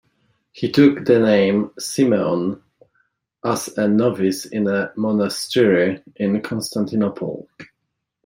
He took the name Simeon as a novice in a monastery in Constantinople.